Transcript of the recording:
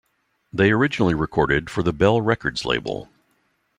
They originally recorded for the Bell Records label.